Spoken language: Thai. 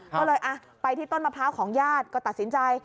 ก็เลยไปที่ต้นมะพร้าวของญาติก็ตัดสินใจ